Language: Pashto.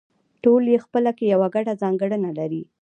ټول یې خپله کې یوه ګډه ځانګړنه لري